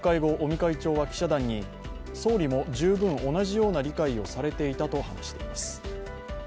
面会後、尾身会長は記者団に記者団に、総理も十分同じような理解をされていたと話しています。